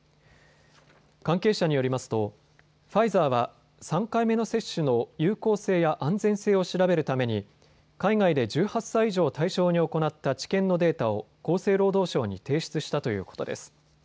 関係者によりますとファイザーは３回目の接種の有効性や安全性を調べるために海外で１８歳以上を対象に行った治験のデータを厚生労働省に提出したということです。